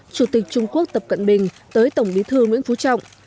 chủ tịch trung quốc tập cận bình tới tổng bí thư nguyễn phú trọng